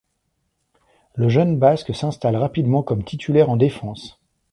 Le jeune basque s'installe rapidement comme titulaire en défense.